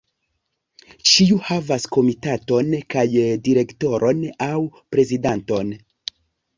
Ĉiu havas komitaton kaj direktoron aŭ prezidanton.